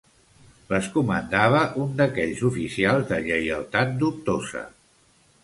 Les comandava un d'aquells oficials de lleialtat dubtosa